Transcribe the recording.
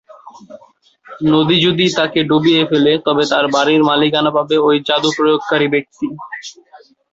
নদী যদি তাকে ডুবিয়ে ফেলে তবে তার বাড়ীর মালিকানা পাবে ঐ যাদু প্রয়োগকারী ব্যক্তি।